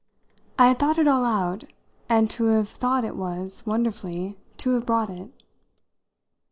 I had thought it all out, and to have thought it was, wonderfully, to have brought it.